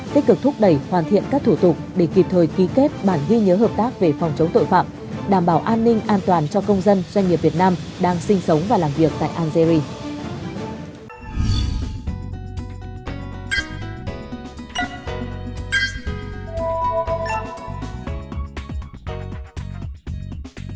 tích cực thúc đẩy hoàn thiện các thủ tục để kịp thời ký kết bản ghi nhớ hợp tác về phòng chống tội phạm đảm bảo an ninh an toàn cho công dân doanh nghiệp việt nam đang sinh sống và làm việc tại algeria